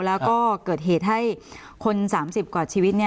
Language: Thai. แล้วก็เกิดเหตุให้คน๓๐กว่าชีวิต